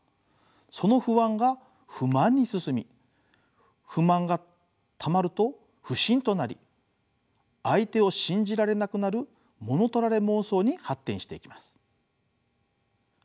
その不安が不満に進み不満がたまると不信となり相手を信じられなくなるものとられ妄想に発展していきます。